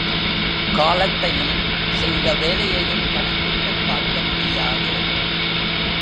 காலத்தையும் செய்த வேலையையும் கனக்கிட்டுப் பார்க்க முடியாது.